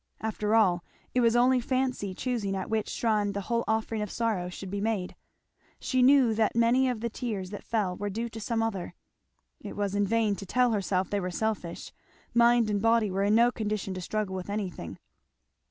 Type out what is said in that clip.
After all, it was only fancy choosing at which shrine the whole offering of sorrow should be made. She knew that many of the tears that fell were due to some other. It was in vain to tell herself they were selfish; mind and body were in no condition to struggle with anything.